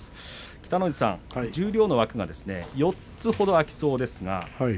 北の富士さん、十両の枠が４つほど空きそうです。